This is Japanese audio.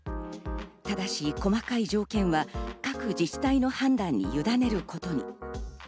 ただし細かい条件は各自治体の判断にゆだねることに。